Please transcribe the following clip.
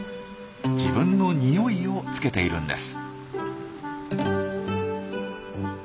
自分のにおいをつけているんです。